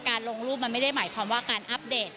ลงรูปมันไม่ได้หมายความว่าการอัปเดต